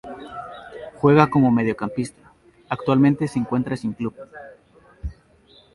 Juega como mediocampista, actualmente se encuentra sin club.